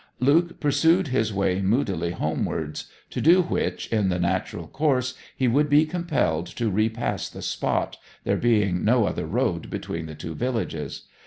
Luke pursued his way moodily homewards, to do which, in the natural course, he would be compelled to repass the spot, there being no other road between the two villages.